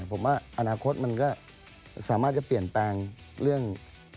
ผมว่าอนาคตมันก็สามารถจะเปลี่ยนแปลงเรื่อง